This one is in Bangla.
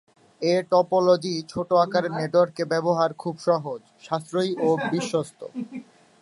এ টপোলজি ছোট আকারের নেটওয়ার্কে ব্যবহার খুব সহজ, সাশ্রয়ী ও বিশ্বস্ত।